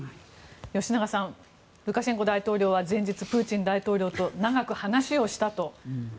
吉永さんルカシェンコ大統領は前日、プーチン大統領と長く話をしたと。